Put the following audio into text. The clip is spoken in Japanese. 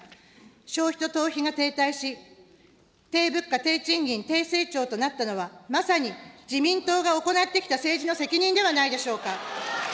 消費と投資が停滞し、低物価・低賃金・低成長となったのは、まさに自民党が行ってきた政治の責任ではないでしょうか。